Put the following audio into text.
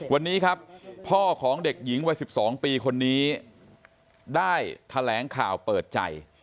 วันนี้ครับพ่อของเด็กหญิงวัย๑๒ปีคนนี้ได้แถลงข่าวเปิดใจ